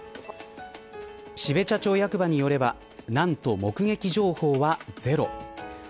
標茶町役場によれば何と目撃情報はゼロ。